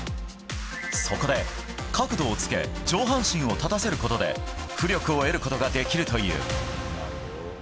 そこで、角度をつけ上半身を立たせることで浮力を得ることができるという。